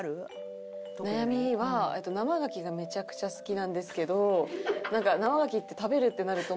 悩みは生牡蠣がめちゃくちゃ好きなんですけど生牡蠣って食べるってなると。